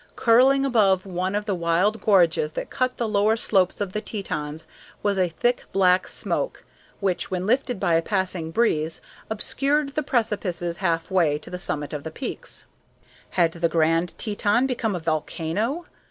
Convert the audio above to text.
Curling above one of the wild gorges that cut the lower slopes of the Tetons was a thick black smoke, which, when lifted by a passing breeze, obscured the precipices half way to the summit of the peak. Had the Grand Teton become a volcano?